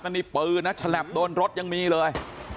นี่ปืนนะฉลับโดนรถยังมีเลย